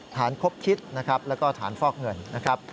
ผ่านคบคิดแล้วก็ผ่านฟอกเงินนะครับ